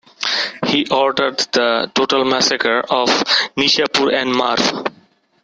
He ordered the total massacres of Nishapur and Merv.